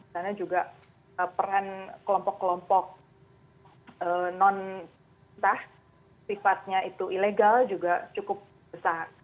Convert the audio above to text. karena juga peran kelompok kelompok non sah sifatnya itu ilegal juga cukup besar